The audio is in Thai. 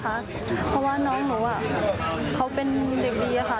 เพราะว่าน้องหนูเขาเป็นเด็กดีค่ะ